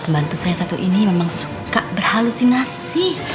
bantu saya satu ini memang suka berhalusinasi